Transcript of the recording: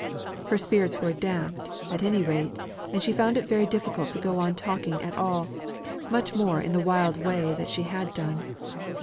Her spirits were damped, at any rate, and she found it very difficult to go on talking at all, much more in the wild way that she had done.